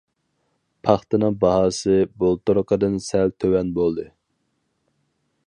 پاختىنىڭ باھاسى بۇلتۇرقىدىن سەل تۆۋەن بولدى.